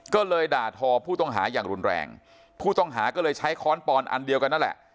ก็เลยด่าทอผู้ต้องหาอย่างรุนแรงผู้ต้องหาก็เลยใช้ค้อนปอนอันเดียวกันนั่นแหละ